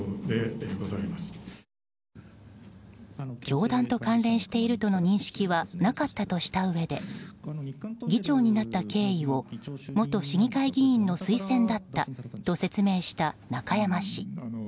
教団と関連しているとの認識はなかったとしたうえで議長になった経緯を元市議会議員の推薦だったと説明した中山氏。